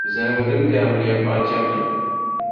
Zaligu din be amiliya paɣa chεbu ni.